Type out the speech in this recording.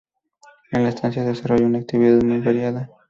En la estancia, desarrolló una actividad muy variada.